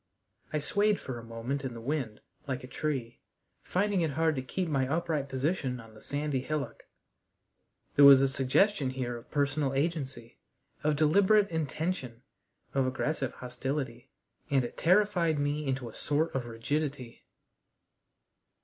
I swayed for a moment in the wind like a tree, finding it hard to keep my upright position on the sandy hillock. There was a suggestion here of personal agency, of deliberate intention, of aggressive hostility, and it terrified me into a sort of rigidity.